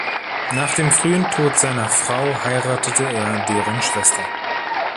Nach dem frühen Tod seiner Frau heiratete er deren Schwester.